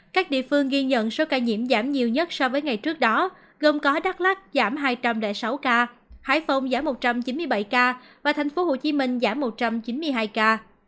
các địa phương ghi nhận số ca nhiễm tăng cao nhất so với ngày trước đó gồm có đắk lắc giảm hai trăm linh sáu ca hải phòng giảm một trăm chín mươi bảy ca và thành phố hồ chí minh giảm một trăm chín mươi hai ca